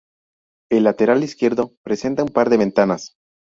El lateral izquierdo presenta un par de ventanas.